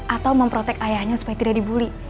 atau memprotek ayahnya supaya tidak dibully